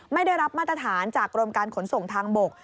ไม่ได้รับมาตรฐานจากกรมการขนส่งทางบก